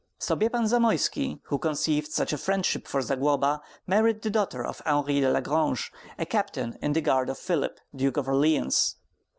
Sobiepan Zamoyski, who conceived such a friendship for Zagloba, married the daughter of Henri de la Grange, a captain in the guard of Philip, Duke of Orleans.